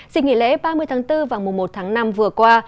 dịch nghỉ lễ ba mươi tháng bốn và mùa một tháng năm vừa qua